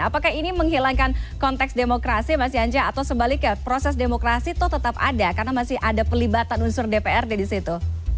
apakah ini menghilangkan konteks demokrasi mas yanca atau sebaliknya proses demokrasi itu tetap ada karena masih ada pelibatan unsur dprd di situ